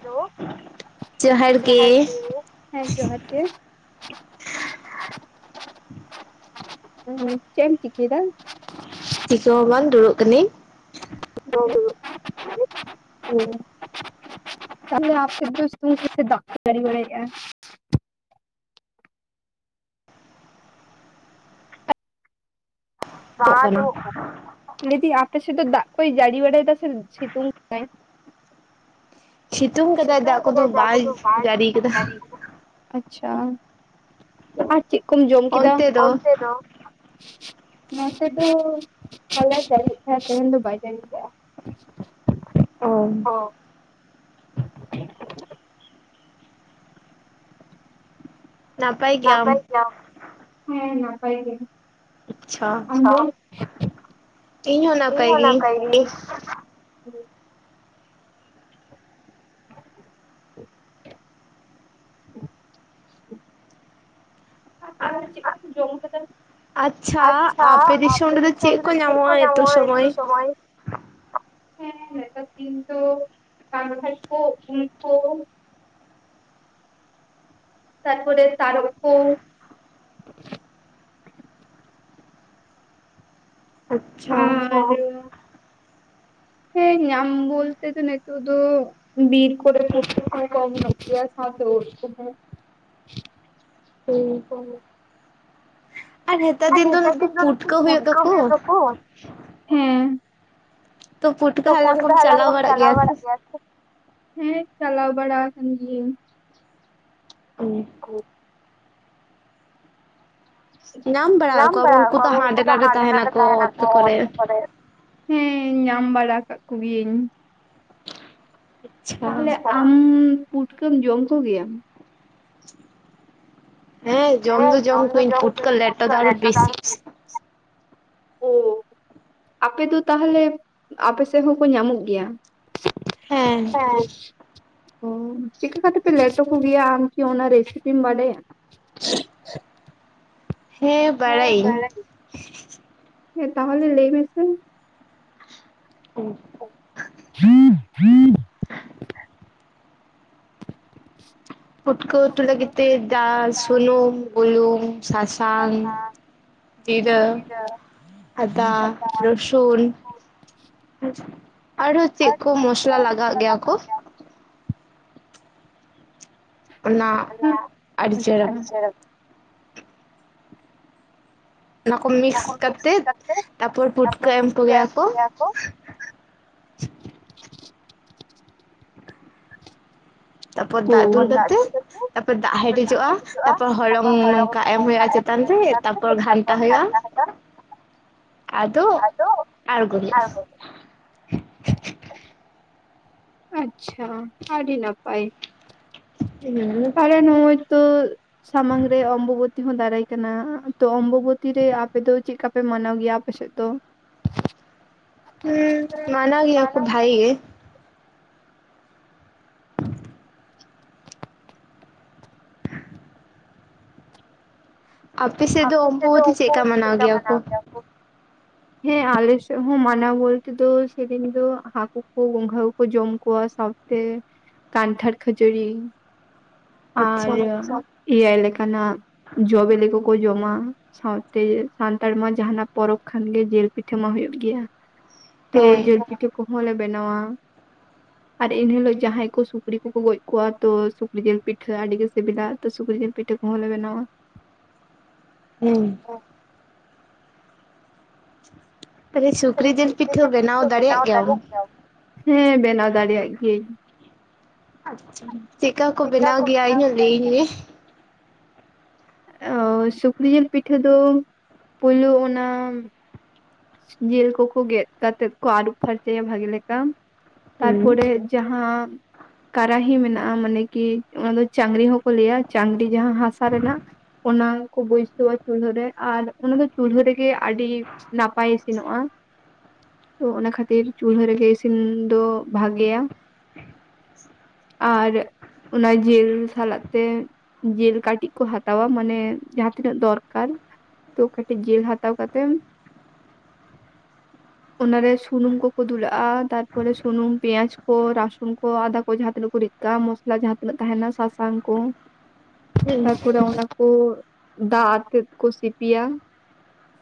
Hello ᱡᱚᱦᱟᱨ ᱜᱮ, ᱦᱮᱸ ᱡᱚᱦᱟᱨ ᱜᱮ ᱪᱮᱜ ᱮᱢ ᱪᱤᱠᱟᱹᱭ ᱫᱟ। ᱪᱤᱠᱟᱹ ᱦᱚᱸᱵᱟᱝ ᱫᱩᱲᱩᱵ ᱠᱟᱹᱱᱤᱧ। [unintelligible] ᱚ ᱛᱟᱦᱚᱞᱮ ᱟᱯᱮᱫᱚ ᱥᱤᱛᱩᱝ ᱠᱚ ᱥᱮ ᱫᱟᱜ ᱠᱚᱭ ᱡᱚᱨᱚ ᱵᱟᱲᱟᱭᱮᱜᱼᱟ। ᱵᱟᱝ ᱟᱡᱚᱢᱚᱜ ᱠᱟᱱᱟ। ᱞᱟᱹᱭᱫᱤᱧ ᱟᱯᱮ ᱥᱮᱫ ᱫᱚ ᱫᱟᱜ ᱠᱚᱭ ᱡᱟᱲᱤ ᱵᱟᱲᱟᱭ ᱫᱟ ᱥᱮ ᱥᱤᱛᱩᱝ ᱫᱟᱭ। ᱥᱤᱛᱩᱝ ᱠᱟᱫᱟᱭ ᱫᱟᱜ ᱠᱚᱫᱚ ᱵᱟᱭ ᱡᱟᱲᱤᱭ ᱫᱟ। ᱟᱪᱪᱷᱟ ᱟᱨ ᱪᱮᱫ ᱠᱚᱢ ᱡᱚᱢ ᱠᱮᱫᱟ, ᱚᱱᱛᱮ ᱫᱚ [inaudible] ᱱᱚᱛᱮ ᱫᱚ, ᱦᱚᱞᱟᱭ ᱡᱟᱲᱤᱭᱮᱫ ᱛᱟᱦᱮᱸ ᱛᱮᱦᱮᱧ ᱫᱚ ᱵᱟᱭ ᱡᱟᱲᱤᱭ ᱠᱟᱜᱼᱟ। ᱚ [inaudible] ᱱᱟᱯᱟᱭ ᱜᱮᱭᱟᱢ ᱦᱮᱸ ᱱᱟᱯᱟᱭ ᱜᱮ ᱟᱪᱪᱷᱟ ᱤᱧ ᱦᱚᱸ ᱱᱟᱯᱟᱭ ᱜᱮ [inaudible] ᱛᱟᱦᱚᱞᱮ ᱪᱮᱜᱠᱟ ᱯᱮ ᱡᱚᱢ ᱠᱟᱫᱟ ᱟᱪᱪᱷᱟ ᱟᱯᱮ ᱫᱤᱥᱚᱢ ᱨᱮ ᱪᱮᱫ ᱠᱚ ᱧᱟᱢᱚᱜᱼᱟ ᱱᱤᱛᱚᱜ ᱥᱚᱢᱚᱭ ᱦᱮᱸ ᱱᱮᱛᱟᱨ ᱫᱤᱱ ᱫᱚ ᱠᱟᱱᱸᱴᱷᱟᱲ ᱠᱚ ᱩᱞ ᱠᱚ ᱛᱟᱨᱯᱚᱨᱮ ᱛᱟᱨᱚᱵ ᱠᱚ ᱟᱪᱪᱷᱟ [unintelligible] ᱦᱮᱸ ᱧᱟᱢ ᱵᱚᱞ ᱛᱮ ᱱᱤᱛᱚᱜ ᱫᱚ ᱵᱤᱨ ᱠᱚᱨᱮ ᱯᱩᱴᱠᱟᱹ ᱠᱚ ᱦᱚᱸ ᱠᱚ ᱚᱢᱚᱱᱚᱜ ᱜᱮᱭᱟ ᱥᱟᱶᱛᱮ ᱩᱫ ᱠᱚ ᱦᱚᱸ ᱦᱩ ᱚ ᱟᱨ ᱱᱮᱛᱟᱨ ᱫᱤᱱ ᱫᱚ ᱱᱩᱠᱩ ᱯᱩᱴᱠᱟᱹ ᱦᱩᱭᱩᱜ ᱛᱚ ᱠᱚ ᱦᱮᱸ ᱛ ᱯᱩᱴᱠᱟᱹ ᱦᱟᱞᱟᱝ ᱠᱚᱢ ᱪᱟᱞᱟᱣ ᱵᱟᱲᱟᱜ ᱜᱮᱭᱟ ᱦᱮᱸ ᱪᱟᱞᱟᱣ ᱵᱟᱲᱟ ᱟᱠᱟᱱ ᱜᱤᱭᱟᱹᱧ ᱠᱚ [unintelligible] ᱧᱟᱢ ᱧᱟᱢ ᱵᱟᱲᱟᱣ ᱟᱠᱚ ᱩᱱᱠᱩ ᱫᱚ ᱦᱟᱸᱰᱮ ᱱᱟᱸᱰᱮ ᱛᱟᱦᱮᱱ ᱟᱠᱚ ᱚᱠᱟ ᱠᱚᱨᱮ ᱦᱮᱸ ᱧᱟᱢ ᱵᱟᱲᱟ ᱠᱟᱜ ᱠᱚᱜᱤᱭᱟᱹᱧ [unintelligible] ᱟᱢ ᱯᱩᱴᱠᱟᱹᱢ ᱡᱚᱢ ᱠᱚᱜᱮᱭᱟ ᱦᱮᱸ ᱡᱚᱢ ᱫᱚ ᱡᱚᱢ ᱠᱚᱣᱟᱹᱧ ᱯᱩᱴᱠᱟᱹ ᱞᱮᱴᱚ ᱫᱚ ᱟᱨ ᱦᱚᱸ ᱵᱮᱥᱤ ᱠᱩᱥᱤ ᱟᱯᱮ ᱫᱚ ᱛᱟᱦᱚᱞᱮ ᱟᱯᱮ ᱥᱮᱫ ᱦᱚᱸᱠᱚ ᱧᱟᱢᱚᱜ ᱜᱮᱭᱟ ᱦᱮᱸ ᱚ ᱪᱤᱠᱟᱹ ᱠᱟᱛᱮ ᱯᱮ ᱞᱮᱴᱚ ᱠᱚᱜᱮᱭᱟ ᱟᱢ ᱠᱤ ᱚᱱᱟ ᱨᱮᱥᱤᱯᱤᱢ ᱵᱟᱰᱟᱭᱟ [inaudible] ᱦᱮᱸ ᱵᱟᱲᱟᱭᱟᱹᱧ ᱦᱮᱸ ᱛᱟᱦᱚᱞᱮ ᱞᱟᱹᱭ ᱢᱮᱥᱮ [inaudible] [inaudible] ᱯᱩᱴᱠᱟᱹ ᱩᱛᱩ ᱞᱟᱹᱜᱤᱫ ᱛᱮ ᱰᱟᱞ ᱥᱩᱱᱩᱢ ᱵᱩᱞᱩᱢ ᱥᱟᱥᱟᱝ ᱡᱤᱨᱟᱹ ᱟᱫᱟ ᱨᱚᱥᱩᱱ ᱟᱨᱦᱚᱸ ᱪᱮᱫ ᱠᱚ ᱢᱚᱥᱞᱟ ᱞᱟᱜᱟᱣᱟᱜ ᱜᱮᱭᱟ ᱠᱚ ᱚᱱᱟ ᱟᱹᱰᱤ ᱪᱮᱦᱨᱟ ᱚᱱᱟ ᱠᱚ ᱢᱤᱠᱥ ᱠᱟᱛᱮᱫ ᱛᱟᱯᱚᱨ ᱯᱩᱴᱠᱟᱹ ᱮᱢ ᱠᱚᱜᱮᱭᱟ ᱠᱚ ᱛᱯᱚᱨ ᱫᱟᱜ ᱫᱩᱞ ᱠᱟᱛᱮ ᱛᱟᱯᱚᱨ ᱫᱟᱜ ᱦᱮᱰᱮᱡᱚᱜᱼᱟ ᱛᱟᱯᱚᱨ ᱦᱚᱞᱚᱝ ᱱᱚᱝᱠᱟ ᱮᱢ ᱦᱩᱭᱩᱜᱼᱟ ᱪᱮᱛᱟᱱ ᱨᱮ ᱛᱟᱯᱚᱨ ᱯᱚᱨ ᱜᱷᱟᱱᱴᱟ ᱦᱩᱭᱩᱜᱼᱟ ᱟᱫᱚ ᱟᱲᱜᱳ ᱷᱩᱭᱩᱜ-ᱟ ᱟᱪᱪᱷᱟ ᱟᱹᱰᱤ ᱱᱟᱯᱟᱭ [unintelligible] ᱟᱞᱮ ᱱᱚᱜᱼᱚᱭ ᱛᱚ ᱥᱟᱢᱟᱝ ᱨᱮ ᱚᱢᱵᱟᱵᱚᱛᱤ ᱦᱚᱸ ᱫᱟᱨᱟᱭ ᱠᱟᱱᱟ ᱛᱚ ᱚᱢᱵᱚᱵᱚᱛᱤ ᱨᱮ ᱟᱯᱮ ᱫᱚ ᱪᱮᱫ‌ᱠᱟ ᱯᱮ ᱢᱟᱱᱟᱣ ᱜᱮᱭᱟ ᱟᱯᱮ ᱥᱮᱫ ᱫᱚ ᱦᱩᱸ ᱢᱟᱱᱟᱣ ᱜᱮᱭᱟ ᱠᱚ ᱵᱷᱟᱜᱮ ᱜᱮ [inaudible] ᱟᱯᱮ ᱥᱮᱫ ᱫᱚ ᱟᱵᱟᱵᱚᱛᱤ ᱪᱮᱫ ᱞᱮᱠᱟ ᱢᱟᱱᱟᱣ ᱜᱮᱭᱟ ᱠᱚ ᱦᱮᱸ ᱟᱞᱮ ᱥᱮᱫ ᱦᱚᱸ ᱢᱟᱱᱟᱣ ᱵᱚᱞᱛᱮ ᱫᱚ ᱥᱮᱫᱤᱱ ᱫᱚ ᱦᱟᱹᱠᱩ ᱠᱚ ᱜᱚᱝᱜᱷᱟ ᱠᱚ ᱠᱚ ᱡᱚᱢ ᱠᱚᱣᱟ ᱥᱟᱶ ᱛᱮ ᱠᱟᱱᱴᱲ ᱠᱷᱟᱹᱚᱡᱟᱹᱨᱤ ᱟᱨ ᱤᱭᱟᱹ ᱞᱮᱠᱟᱱᱟᱜ ᱡᱚ-ᱵᱮᱞᱮ ᱠᱚᱠᱚ ᱡᱚᱢᱟ ᱾ ᱥᱟᱶᱛᱮ ᱥᱟᱱᱛᱟᱲ ᱢᱟ ᱡᱟᱦᱟᱸᱱᱟᱜ ᱯᱚᱨᱚᱵᱽ ᱠᱷᱟᱱᱜᱮ ᱡᱮᱞ ᱯᱤᱴᱷᱟᱹ ᱢᱟ ᱦᱳᱭᱳᱜ ᱜᱤᱭᱟ ᱛᱚ ᱡᱮᱞ ᱯᱤᱴᱷᱟᱹ ᱠᱚᱦᱚᱸ ᱞᱮ ᱵᱮᱱᱟᱣᱟ ᱟᱨ ᱤᱱᱦᱤᱞᱳᱜ ᱡᱟᱦᱟᱸᱟᱭ ᱠᱚ ᱥᱩᱠᱨᱤ ᱠᱚᱠᱚ ᱜᱚᱡ ᱠᱚᱣᱟ ᱛᱚ ᱥᱩᱠᱨᱤ ᱡᱮᱞ ᱯᱤᱴ ᱴᱷᱟᱹ ᱟᱹᱰᱤ ᱜᱮ ᱥᱤᱵᱤᱞᱟ ᱛᱚ ᱥᱩᱠᱨᱤ ᱡᱮᱞ ᱯᱤᱴᱷᱟᱹ ᱠᱚᱦᱚᱸ ᱞᱮ ᱵᱮᱱᱟᱣᱟ ᱾ ᱦᱩᱸ ᱛᱵᱮᱮ ᱥᱩᱠᱨᱤ ᱡᱤᱞ ᱯᱤᱴᱷᱟᱹ ᱵᱮᱱᱟᱣ ᱫᱟᱲᱮᱭᱟᱜ ᱜᱮᱭᱟᱢ? ᱦᱮᱸ ᱵᱮᱱᱟᱣ ᱫᱟᱲᱮᱭᱟᱜ ᱜᱤᱭᱟᱹᱧ ᱾ ᱟᱪᱪᱷᱟ ᱪᱤᱜ ᱠᱟ ᱠᱚ ᱵᱮᱱᱟᱣ ᱜᱮᱭᱟ ᱤᱧ ᱦᱚᱸ ᱞᱟᱹᱭᱟᱹᱧ ᱢᱮ ᱚ ᱥᱩᱠᱨᱤ ᱡᱤᱞ ᱯᱤᱴᱷᱟᱹ ᱫᱚ ᱯᱩᱭᱞᱩ ᱚᱱᱟ ᱡᱤᱞ ᱠᱚ ᱠᱚ ᱜᱮᱫ ᱠᱟᱛᱮᱜ ᱠᱚ ᱟᱹᱨᱩᱵ ᱯᱷᱟᱨᱪᱟᱭᱟ ᱵᱷᱟᱜᱤ ᱞᱮᱠᱟ ᱛᱟᱨ ᱯᱚᱨᱮ ᱡᱟᱦᱟᱸ ᱠᱟᱨᱟᱦᱤ ᱢᱮᱱᱟᱜᱼᱟ ᱢᱟᱱᱮ ᱠᱤ ᱚᱱᱟ ᱫᱚ ᱪᱟᱝᱨᱤ ᱦᱚᱸᱠᱚ ᱞᱟᱹᱭᱟ ᱪᱟᱝᱨᱤ ᱡᱟᱦᱟᱸ ᱦᱟᱥᱟ ᱨᱮᱱᱟᱜ ᱾ ᱚᱱᱟ ᱠᱚ ᱵᱟᱹᱭᱥᱟᱹᱣᱟ ᱪᱩᱞᱦᱟᱹ ᱨᱮ ᱟᱨ ᱚᱱᱟ ᱫᱚ ᱪᱩᱞᱦᱟᱹ ᱨᱮᱜᱮ ᱟᱰᱤ ᱱᱟᱯᱟᱭ ᱤᱥᱤᱱᱚᱜᱼᱟ ᱛᱚ ᱚᱱᱟ ᱠᱷᱟᱹᱛᱤᱨ ᱪᱩᱞᱦᱟᱹ ᱨᱮᱜᱮ ᱤᱥᱤᱱ ᱫᱚ ᱵᱷᱟᱜᱮᱭᱟ ᱾ ᱟᱨ ᱚᱱᱟ ᱡᱮᱞ ᱥᱟᱞᱟᱜ ᱛᱮ ᱡᱮᱞ ᱠᱟᱹᱴᱤᱜ ᱠᱚ ᱦᱟᱛᱟᱣᱟ ᱢᱟᱱᱮ ᱡᱟᱦᱟᱸ ᱛᱤᱱᱟᱹᱜ ᱫᱚᱨᱠᱟᱨ ᱛᱚ ᱠᱟᱹᱴᱤᱡ ᱡᱤᱞ ᱦᱟᱛᱟᱣ ᱠᱟᱛᱮᱫ ᱚᱱᱟᱨᱮ ᱥᱩᱱᱩᱢ ᱠᱚᱠᱚ ᱫᱩᱞᱟᱜᱼᱟ ᱛᱟᱨᱯᱚᱨᱮ ᱥᱩᱱᱩᱢ ᱯᱮᱭᱟᱡ ᱠᱚ ᱨᱟᱥᱩᱱ ᱠᱚ ᱟᱫᱟ ᱠᱚ ᱡᱟᱦᱟᱸ ᱛᱤᱱᱟᱹ ᱠᱚ ᱨᱤ ᱠᱟ ᱢᱚᱥᱞᱟ ᱡᱟᱦᱟᱸ ᱛᱤᱱᱟᱹᱜ ᱛᱟᱦᱮᱱᱟ ᱥᱟᱥᱟᱝ ᱠᱚ ᱛᱟᱨᱯᱚᱨᱮ ᱚᱱᱟ ᱠᱚ ᱫᱟᱜ ᱟᱛᱮᱛ ᱠᱚ ᱥᱤᱯᱤᱭᱟ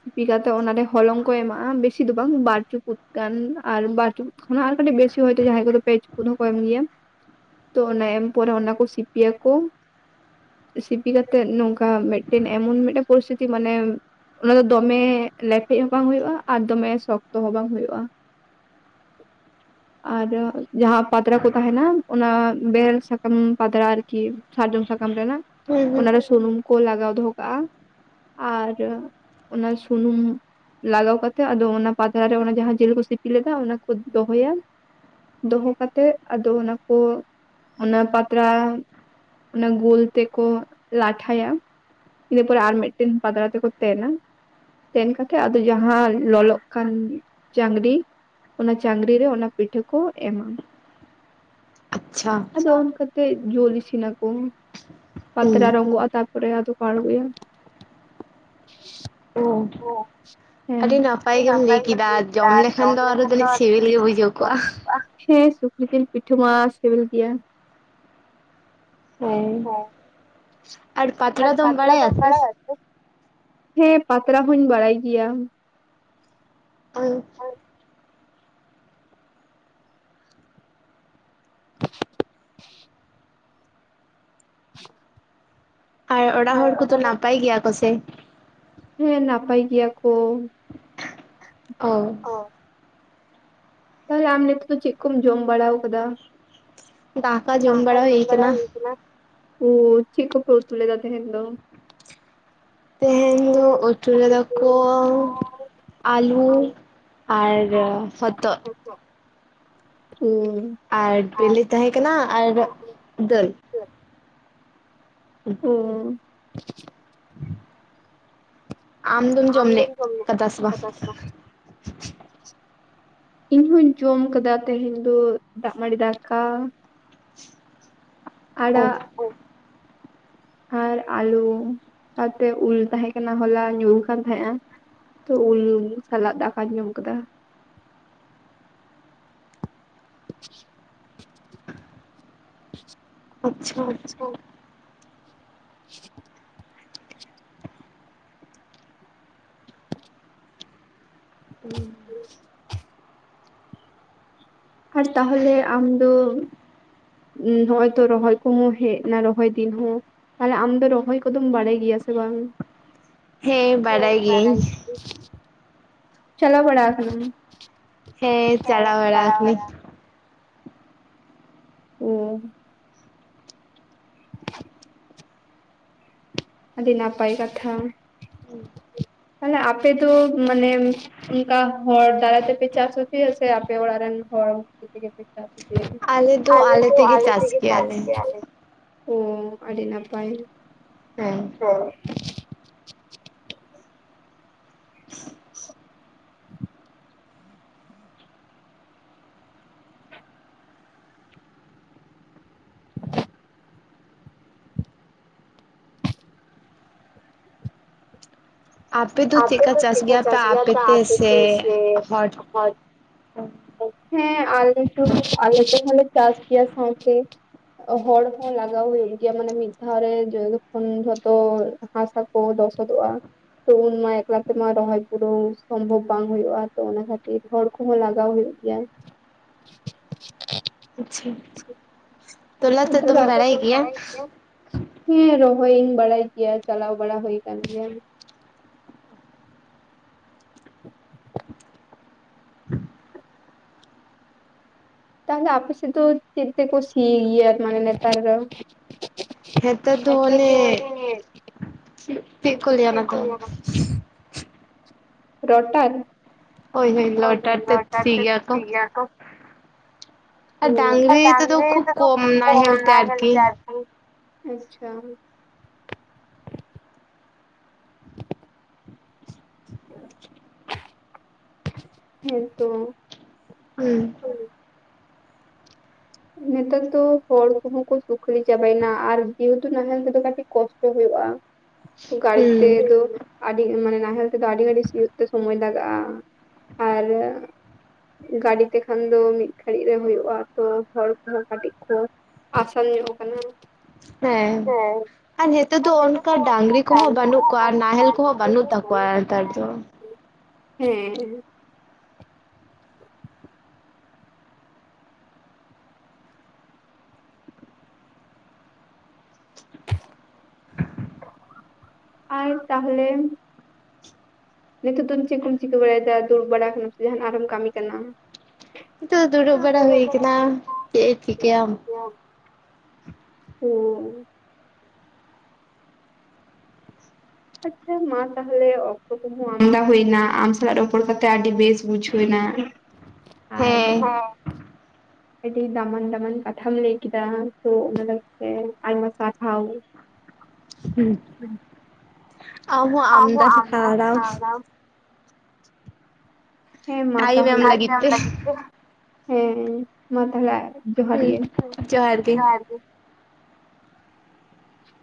ᱥᱤᱯᱤ ᱠᱟᱛᱮ ᱚᱱᱟᱨᱮ ᱦᱚᱞᱚᱝ ᱠᱚ ᱮᱢᱟᱜᱼᱟ ᱵᱮᱥᱤ ᱫᱚ ᱵᱟᱝ ᱵᱟᱨ ᱪᱩᱯᱩᱫ ᱜᱟᱱ ᱟᱨ ᱵᱟᱨ ᱪᱩᱯᱩᱫ ᱠᱷᱚᱱᱟᱜ ᱟᱨ ᱠᱟᱹᱴᱤᱡ ᱵᱮᱥᱤ ᱦᱚᱭᱛᱚ ᱡᱟᱦᱟᱸᱭ ᱠᱚᱫᱚ ᱯᱮ ᱪᱩᱯᱩᱪ ᱦᱚᱸ ᱠᱚ ᱮᱢ ᱜᱮᱭᱟ ᱛᱚ ᱚᱱᱟ ᱮᱢ ᱯᱚᱨᱮ ᱚᱱᱟ ᱠᱚ ᱥᱤᱯᱤᱭᱟᱠᱚ ᱥᱤᱯᱤ ᱠᱟᱛᱮᱛ ᱱᱚᱝᱠᱟ ᱢᱤᱫᱴᱮᱱ ᱮᱢᱚᱱ ᱢᱤᱫᱴᱮᱱ ᱯᱚᱨᱤᱥᱛᱷᱤᱛᱤ ᱢᱟᱱᱮ ᱚᱱᱟ ᱫᱚ ᱫᱚᱢᱮ ᱞᱮᱯᱮᱡ ᱦᱚᱸ ᱵᱟᱝ ᱦᱳᱭᱳᱜᱼᱟ ᱟᱨ ᱫᱚᱢᱮ ᱥᱚᱠᱛᱚ ᱦᱚᱸ ᱵᱟᱝ ᱦᱳᱭᱳᱜᱼᱟ ᱾ ᱟᱨ ᱡᱟᱦᱟᱸ ᱯᱟᱛᱲᱟ ᱠᱚ ᱛᱟᱦᱮᱱᱟ ᱚᱱᱟ ᱵᱮᱨᱮᱞ ᱥᱟᱠᱟᱢ ᱯᱟᱛᱲᱟ ᱟᱨᱠᱤ ᱥᱟᱨᱡᱚᱢ ᱥᱟᱠᱟᱢ ᱨᱮᱱᱟᱜ ᱚᱱᱟᱨᱮ ᱥᱩᱱᱩᱢ ᱠᱚ ᱞᱟᱜᱟᱣ ᱫᱚᱦᱚ ᱠᱟᱜᱼᱟ ᱟᱨ ᱚᱱᱟ ᱥᱩᱱᱩᱢ ᱞᱟᱜᱟᱣ ᱠᱟᱛᱮᱜ ᱟᱫᱚ ᱚᱱᱟ ᱯᱟᱛᱲᱟ ᱨᱮ ᱚᱱᱟ ᱡᱟᱦᱟᱸ ᱡᱮᱞᱠᱚ ᱥᱤᱯᱤ ᱞᱮᱫᱟ ᱚᱱᱟᱠᱚ ᱫᱚᱦᱚᱭᱟ ᱫᱚᱦᱚ ᱠᱟᱛᱮᱛ ᱟᱫᱚ ᱚᱱᱟ ᱠᱚ ᱚᱱᱟ ᱯᱟᱛᱲᱟ ᱚᱱᱟ ᱜᱳᱞ ᱛᱮᱠᱚ ᱞᱟᱴᱷᱟᱭᱟ ᱤᱱᱟᱹ ᱯᱚᱨᱮ ᱟᱨ ᱢᱤᱫᱴᱮᱱ ᱯᱟᱛᱲᱟ ᱛᱮᱠᱚ ᱛᱮᱱᱟ ᱛᱮᱱ ᱠᱟᱛ ᱟᱫᱚ ᱡᱟᱦᱟᱸ ᱞᱚᱞᱚᱜ ᱠᱟᱱ ᱪᱟᱝᱨᱤ ᱚᱱᱟ ᱪᱟᱝᱨᱤ ᱨᱮ ᱚᱱᱟ ᱯᱤᱴᱷᱟᱹ ᱠᱚ ᱮᱢᱟ ᱟᱫᱚ ᱚᱱᱠᱟ ᱠᱟᱛᱮ ᱡᱳᱞ ᱤᱥᱤᱱᱟᱠᱚ ᱯᱟᱛᱨᱟ ᱨᱚᱝᱜᱚᱜᱼᱟ ᱛᱟᱯ ᱯᱚᱨᱮ ᱟᱫᱚ ᱟᱲᱜᱳᱭᱟ ᱾ ᱦᱮᱸ ᱟᱹᱰᱤ ᱱᱟᱯᱟᱭ ᱜᱮᱢ ᱞᱮ ᱠᱮᱫᱟ ᱡᱚᱢ ᱞᱮᱠᱷᱟᱱ ᱫᱚ [inaudible] ᱟ ᱦᱮᱸ ᱥᱩᱠᱨᱤ ᱡᱮᱞ ᱯᱤᱴᱷᱟᱹ ᱢᱟ ᱥᱮᱵᱮᱞ ᱜᱮᱭᱟ ᱾ ᱦᱮᱸ ᱟᱨ ᱯᱟᱛᱨᱟ ᱫᱚᱢ ᱵᱟᱲᱟᱭᱟ ᱥᱮ? ᱯᱟᱛᱲᱟ ᱦᱚᱧ ᱵᱟᱲᱟᱭ ᱜᱤᱭᱟ ᱾ ᱚᱲᱟᱜ ᱦᱚᱲ ᱠᱚᱫᱚ ᱱᱟᱯᱟᱭ ᱜᱤᱭᱟ ᱠᱚ ᱥᱮ? ᱦᱮᱸ ᱱᱟᱯᱟᱭ ᱜᱤᱭᱟ ᱠᱚ ᱚ ᱛᱟᱦᱚᱞᱮ ᱟᱢ ᱱᱤᱛᱚᱜ ᱫᱚ ᱪᱮᱜ ᱠᱚᱢ ᱡᱚᱢ ᱵᱟᱲᱟᱣ ᱠᱟᱫᱟ? ᱫᱟᱠᱟ ᱡᱚᱢ ᱵᱟᱲᱟᱭ ᱦᱳᱭᱳᱜ ᱠᱟᱱᱟ ᱾ ᱳ ᱪᱮᱜ ᱠᱚᱯᱮ ᱩᱛᱩ ᱞᱮᱫᱟ ᱛᱮᱦᱮᱱ ᱫᱚ? ᱛᱮᱦᱮᱧ ᱫᱚ ᱟᱹᱛᱩ ᱞᱮᱫᱟᱠᱚ ᱟᱞᱩ ᱟᱨ ᱦᱚᱛᱚᱫ ᱦᱩᱸ ᱟᱨ ᱵᱮᱞᱮ ᱛᱟᱦᱮᱸ ᱠᱟᱱᱟ ᱟᱨ ᱫᱟᱹᱞ! ᱚ ᱟᱢᱫᱚᱢ ᱛᱚᱢ ᱢᱮ ᱵᱟᱯᱟᱥ ᱵᱟ ᱤᱧᱦᱚᱧ ᱡᱚᱢ ᱟᱠᱟᱫᱟ ᱛᱮᱦᱮᱧ ᱫᱚ ᱫᱟᱜ ᱴᱟᱺᱰᱤ ᱫᱟᱠᱟ, ᱟᱲᱟᱜ [inaudible] ᱟᱨ ᱟᱞᱩ ᱥᱟᱶᱛᱮ ᱩᱞ ᱛᱟᱦᱮᱸ ᱠᱟᱱᱟ ᱦᱚᱞᱟ ᱧᱩ ᱟᱠᱟᱱ ᱛᱟᱦᱮᱸᱜᱼᱟ᱾ ᱛᱚ ᱩᱞ ᱥᱟᱞᱟᱜ ᱫᱟᱠᱟᱧ ᱡᱚᱢ ᱠᱟᱫᱟ ᱾ ᱟᱪᱪᱷᱟ [inaudible] ᱦᱮᱸ [unintelligible] ᱟᱨ ᱛᱟᱦᱮ ᱟᱢ ᱫᱚ ᱱᱚᱜᱚᱭ ᱛᱚ ᱨᱚᱦᱚᱭ ᱠᱚᱦᱚᱸ ᱦᱮᱡ ᱱᱟ ᱨᱚᱦᱚᱭ ᱫᱤᱱ ᱦᱚᱸ᱾ ᱛᱟᱦᱚᱞᱮ ᱟᱢ ᱫᱚ ᱨᱚᱦᱚᱭ ᱠᱚᱫᱚᱢ ᱵᱟᱲᱟᱭ ᱜᱮᱭᱟ ᱥᱮ ᱵᱟᱝ? ᱦᱮᱸ ᱵᱟᱰᱟᱭ ᱜᱤᱭᱟᱹᱧ᱾ ᱪᱟᱞᱟᱣ ᱵᱟᱲᱟ ᱟᱠᱟᱱᱟᱱᱟ? ᱦᱮᱸ ᱪᱟᱞᱟᱣ ᱵᱟᱲᱟ᱾ ᱚ ᱟᱹᱰᱤ ᱱᱟᱯᱟᱭ ᱠᱟᱛᱷᱟ ᱛᱟᱦᱚᱞᱮ ᱟᱯᱮ ᱫᱚ ᱢᱟᱱᱮ ᱚᱱᱠᱟ ᱦᱚᱲ ᱫᱟᱨᱟᱭ ᱛᱮᱯᱮ ᱪᱟᱥ ᱦᱚᱪᱚᱭᱟ ᱥᱮ ᱟᱯᱮ ᱚᱲᱟᱜ ᱨᱮᱱ ᱦᱚᱲ ᱛᱮᱜᱮ ᱯᱮ? ᱟᱞᱮ ᱛᱚ ᱟᱞᱮ ᱛᱮ ᱪᱟᱥ ᱜᱮᱭᱟ ᱞᱮ᱾ ᱚ ᱟᱹᱰᱤ ᱱᱟᱯᱟᱭ᱾ ᱦᱮᱸ ᱦᱮᱸ [inaudible] ᱟᱯᱮ ᱫᱚ ᱪᱮᱫ ᱠᱚ ᱯᱮ ᱪᱟᱥ ᱜᱮᱭᱟ ᱯᱮ? ᱟᱯᱮ ᱛᱮ ᱥᱮ ᱦᱮᱸ ᱟᱞᱮ ᱠᱚᱦᱚ ᱟᱞᱮ ᱛᱮᱦᱚ ᱞᱮ ᱪᱟᱥ ᱜᱮᱭᱟ ᱥᱟᱶᱛᱮ ᱦᱚᱲ ᱦᱚᱸ ᱞᱟᱜᱟᱣ ᱦᱩᱭᱩᱜ ᱜᱮᱭᱟ, ᱢᱟᱱᱮ ᱢᱤᱫ ᱫᱷᱟᱣ ᱨᱮ ᱡᱚᱠᱷᱚᱱ ᱡᱷᱚᱛᱚ ᱦᱟᱥᱟ ᱠᱚ ᱞᱚᱥᱚᱫᱚᱜᱼᱟ᱾ ᱛᱚ ᱩᱱᱢᱟ ᱮᱠᱞᱟ ᱛᱮᱢᱟ ᱨᱚᱦᱚᱭ ᱯᱩᱨᱟᱹᱣ ᱥᱚᱢᱵᱷᱚᱵ ᱵᱟᱝ ᱦᱳᱭᱳᱜᱼᱟ ᱛᱚ᱾ ᱚᱱᱟ ᱠᱷᱟᱹᱛᱤᱨ ᱦᱚᱲ ᱠᱚᱦᱚᱸ ᱞᱟᱜᱟᱣ ᱦᱩᱭᱩᱜ ᱜᱮᱭᱟ᱾ [unintelligible] [unintelligible] ᱦᱮᱸ ᱨᱚᱦᱚᱭᱤᱧ ᱵᱟᱲᱟᱭ ᱜᱮᱭᱟ᱾ ᱪᱟᱞᱟᱣ ᱵᱟᱲᱟ ᱦᱩᱭ ᱟᱠᱟᱱ ᱜᱮᱭᱟ᱾ [inaudible] ᱛᱟᱦᱚᱞᱮ ᱟᱯᱮ ᱥᱮᱫ ᱫᱚ ᱪᱮᱫ ᱛᱮᱠᱚ ᱥᱤ ᱜᱮᱭᱟ ᱢᱟᱱᱮ ᱱᱮᱛᱟᱨ ᱫᱚ? ᱱᱮᱛᱟᱨ ᱫᱚ ᱢᱟᱱᱮ ᱪᱮᱫ ᱠᱚ [unintelligible] ᱨᱟᱣᱴᱟᱨ᱾ ᱦᱳᱭ, ᱦᱳᱭ ᱨᱟᱣᱴᱟᱨ ᱛᱮ ᱥᱤ ᱜᱮᱭᱟ ᱠᱚ ᱾ ᱦᱮᱸ ᱵᱟᱹᱝᱨᱤ ᱛᱮ ᱫᱚ ᱠᱷᱩᱵ ᱠᱚᱢ, ᱱᱟᱦᱮᱞ ᱛᱮ ᱟᱨᱠᱤ᱾ ᱟᱪᱪᱷᱟ ᱦᱮᱸᱛᱚ ᱦᱩᱸ ᱱᱮᱛᱟᱨ ᱫᱚ ᱦᱚᱲ ᱠᱚᱦᱚᱸ ᱠᱚ ᱥᱩᱠᱷᱟᱹᱞᱤ ᱪᱟᱵᱟᱭᱮᱱᱟ ᱟᱨ ᱡᱮᱦᱮᱛᱩ ᱱᱟᱦᱮᱞ ᱛᱮᱫᱚ ᱠᱟᱹᱴᱤᱡ ᱠᱚᱥᱴᱚ ᱦᱩᱭᱩᱜᱼᱟ᱾ ᱛᱚ ᱜᱟᱹᱲᱤ ᱛᱮ ᱫᱚ ᱟᱹᱰᱤ ᱢᱟᱱᱮ ᱱᱟᱦᱮᱞ ᱛᱮᱫᱚ ᱟᱹᱰᱤ ᱜᱷᱟᱹᱲᱤ ᱥᱤᱭᱚᱜ ᱛᱮ ᱥᱚᱢᱚᱭ ᱞᱟᱜᱟᱜᱼᱟ᱾ ᱟᱨ ᱜᱟᱹᱰᱤ ᱛᱮᱠᱷᱟᱱ ᱫᱚ ᱢᱤᱫ ᱜᱷᱟᱹᱲᱤᱡ ᱨᱮ ᱦᱩᱭᱩᱜᱼᱟ ᱛᱚ᱾ ᱦᱚᱲ ᱠᱚᱦᱚᱸ ᱠᱟᱹᱴᱤᱡ ᱠᱚ ᱟᱥᱟᱱ ᱧᱚᱜ ᱠᱟᱱᱟ ᱦᱮᱸ᱾ ᱟᱨ ᱱᱚᱛᱮ ᱫᱚ ᱰᱟᱹᱝᱨᱤ ᱠᱚ ᱦᱚ ᱵᱟᱹᱱᱩᱜ ᱠᱚᱣᱟ, [unintelligible] ᱦᱮᱸ ᱟᱨ ᱛᱟᱦᱞᱮ ᱱᱤᱛᱚᱜ ᱫᱚ ᱪᱮᱫ ᱠᱚᱢ ᱪᱤᱠᱟᱹ ᱵᱟᱲᱟᱭᱮᱫᱟ? ᱫᱩᱲᱩᱵ ᱵᱟᱲᱟ ᱠᱟᱱᱟᱢ ᱥᱮ ᱡᱟᱦᱱᱟᱜ ᱟᱨᱦᱚᱢ ᱠᱟᱹᱢᱤ ᱠᱟᱱᱟ? ᱦᱤᱛᱚᱜ ᱫᱚ ᱫᱩᱲᱩᱵ ᱵᱟᱲᱟ ᱦᱳᱭ ᱠᱟᱱᱟ ᱪᱮᱜ ᱪᱤᱠᱟᱹᱭᱟᱢ ᱳ ᱟᱪᱪᱷᱟ ᱢᱟ ᱛᱟᱦᱚᱞᱮ ᱚᱠᱛᱚ ᱠᱚᱦᱚᱸ ᱟᱢᱫᱟ ᱦᱳᱭᱱᱟ ᱟᱢ ᱥᱟᱞᱟᱜ ᱨᱚᱯᱚᱲ ᱠᱟᱛᱮ ᱟᱹᱰᱤ ᱵᱮᱥ ᱵᱩᱡᱷᱟᱹᱣ ᱱᱟ ᱾ ᱟᱨ ᱦᱮᱸ ᱟᱹᱰᱤ ᱫᱟᱢᱟᱱ ᱫᱟᱢᱟᱱ ᱠᱟᱛᱷᱟᱢ ᱞᱟᱹᱭ ᱠᱤᱫᱟ ᱛᱚ ᱚᱱᱟ ᱞᱟᱹᱜᱤᱫ ᱛᱮ ᱟᱭᱢᱟ ᱥᱟᱨᱦᱟᱣ ᱾ ᱦᱩᱸ ᱟᱢ ᱦᱚ ᱟᱢᱫᱟ [unintelligible] ᱫᱟᱢ ᱦᱮᱸ ᱢᱟ ᱛᱟᱦᱚᱞᱮ [unintelligible] ᱦᱮᱸ ᱢᱟ ᱛᱟᱦᱚᱞᱮ ᱡᱚᱦᱟᱨ ᱜᱮ ᱦᱳᱭ ᱡᱚᱦᱟᱨ ᱜᱮ